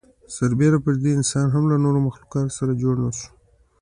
سر بېره پر دې انسان هم له نورو مخلوقاتو سره جوړ نهشو.